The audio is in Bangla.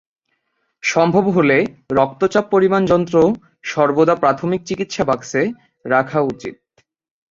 সম্ভব হলে রক্তচাপ পরিমাণ যন্ত্র সর্বদা প্রাথমিক চিকিৎসা বাক্সে রাখা উচিত।